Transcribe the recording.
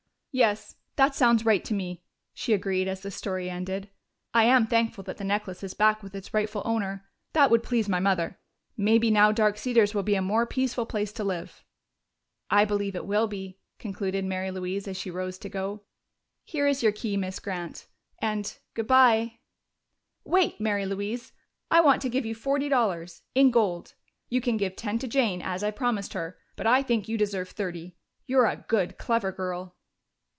"Yes, that sounds right to me," she agreed, as the story ended. "I am thankful that the necklace is back with its rightful owner. That would please my mother. Maybe now Dark Cedars will be a more peaceful place to live." "I believe it will be," concluded Mary Louise as she rose to go. "Here is your key, Miss Grant and good bye!" "Wait, Mary Louise! I want to give you forty dollars in gold. You can give ten to Jane, as I promised her, but I think you deserve thirty. You're a good, clever girl!"